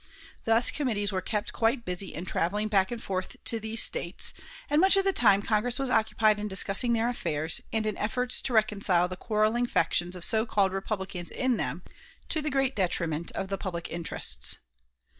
Thus committees were kept quite busy in traveling back and forth to these States, and much of the time of Congress was occupied in discussing their affairs, and in efforts to reconcile the quarreling factions of so called Republicans in them, to the great detriment of the public interests.